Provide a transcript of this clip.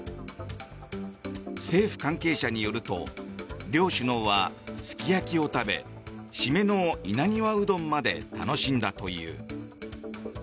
政府関係者によると両首脳はすき焼きを食べ締めの稲庭うどんまで楽しんだという。